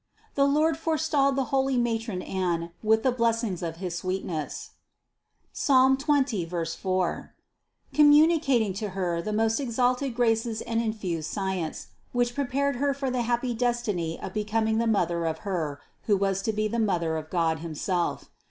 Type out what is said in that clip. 171. The Lord forestalled the holy Matron Anne with the blessings of his sweetness (Psalm 20, 4), communi cating to her the most exalted graces and infused science, which prepared her for the happy destiny of becoming the mother of Her, who was to be the Mother of God himself.